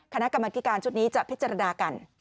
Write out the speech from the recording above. คณะกรรมธิการชุดนี้จะพิจารณากัน